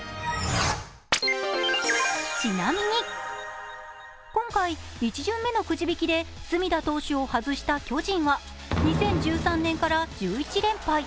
ちなみに、今回１巡目のくじ引きで隅田選手を獲得した西武は２０１３年から１１連敗。